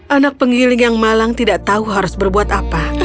anak penggiling yang malang tidak tahu harus berbuat apa